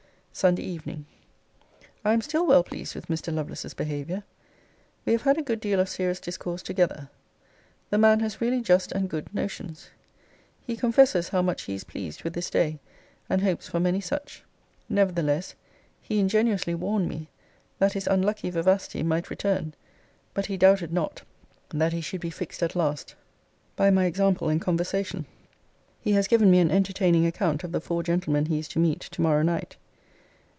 SUNDAY EVENING. I am still well pleased with Mr. Lovelace's behaviour. We have had a good deal of serious discourse together. The man has really just and good notions. He confesses how much he is pleased with this day, and hopes for many such. Nevertheless, he ingenuously warned me, that his unlucky vivacity might return: but, he doubted not, that he should be fixed at last by my example and conversation. He has given me an entertaining account of the four gentlemen he is to meet to morrow night.